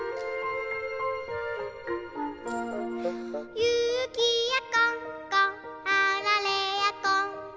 「ゆきやこんこあられやこんこ」